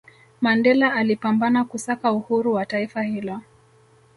mandela alipambana kusaka uhuru wa taifa hilo